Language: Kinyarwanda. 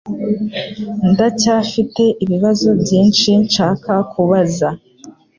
Ndacyafite ibibazo byinshi nshaka kubaza.